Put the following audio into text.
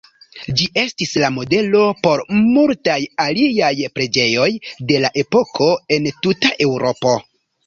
Ĝi estis la modelo por multaj aliaj preĝejoj de la epoko en tuta Eŭropo.